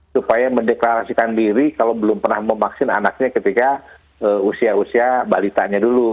supaya mendeklarasikan diri kalau belum pernah memaksin anaknya ketika usia usia balitanya dulu